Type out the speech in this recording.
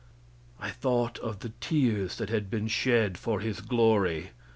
I thought of the tears that had been shed for his glory.